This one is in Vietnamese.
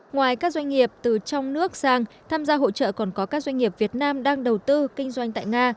ngoài các doanh nghiệp từ trong nước sang tham gia hội trợ còn có các doanh nghiệp việt nam đang đầu tư kinh doanh tại nga